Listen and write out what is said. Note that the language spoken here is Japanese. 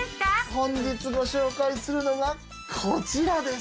本日ご紹介するのがこちらです。